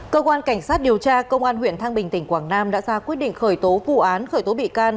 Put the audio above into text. cơ quan cảnh sát điều tra công an huyện thăng bình tỉnh quảng nam đã ra quyết định khởi tố vụ án khởi tố bị can